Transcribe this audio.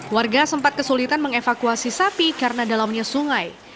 warga sempat kesulitan mengevakuasi sapi karena dalamnya sungai